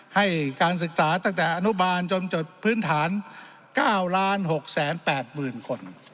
ให้การศึกษาตั้งแต่อนุบาลจนจดพื้นฐาน๙๖๘๐๐๐คน